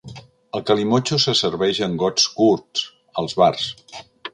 El calimotxo se serveix en gots curts als bars.